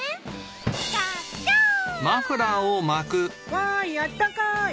わいあったかい。